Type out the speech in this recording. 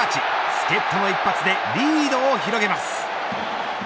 助っ人の一発でリードを広げます。